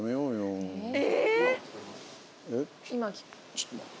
ちょっと待って。